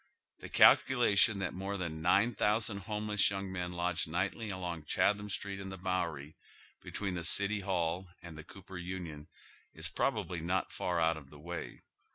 The calculation that more than nine thou sand homeless young men lodge nightly along Chatham Street and the Bowery, between the City Hail and the Cooper Union, is probably not far out of the way.